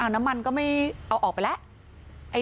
น้ำมันก็ไม่เอาออกไปแล้ว